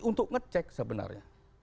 untuk ngecek sebenarnya